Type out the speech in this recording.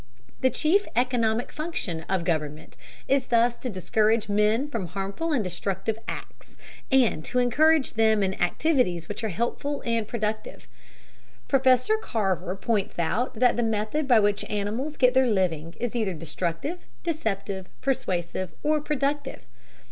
The chief economic function of government is thus to discourage men from harmful and destructive acts, and to encourage them in activities which are helpful and productive. Professor Carver points out that the method by which animals get their living is either destructive, deceptive, persuasive, or productive.